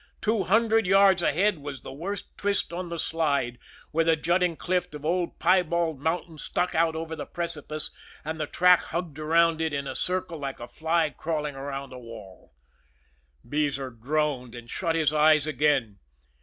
Two hundred yards ahead was the worst twist on the Slide, where the jutting cliff of Old Piebald Mountain stuck out over the precipice, and the track hugged around it in a circle like a fly crawling around a wall. Beezer groaned and shut his eyes again.